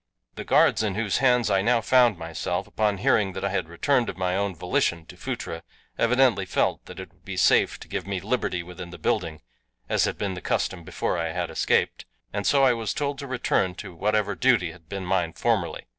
The guards in whose hands I now found myself, upon hearing that I had returned of my own volition to Phutra evidently felt that it would be safe to give me liberty within the building as had been the custom before I had escaped, and so I was told to return to whatever duty had been mine formerly.